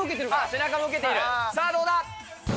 背中も受けている、さあどうだ。